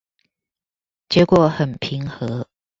結果很平和